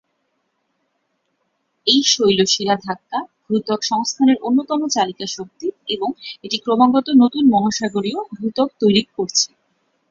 এই "শৈলশিরা ধাক্কা" ভূত্বক সংস্থানের অন্যতম চালিকা শক্তি, এবং এটি ক্রমাগত নতুন মহাসাগরীয় ভূত্বক তৈরি করছে।